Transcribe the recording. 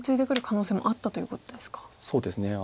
そうですね